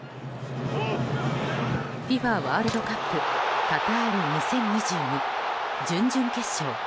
ＦＩＦＡワールドカップカタール２０２２、準々決勝。